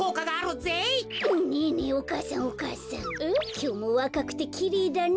きょうもわかくてきれいだね。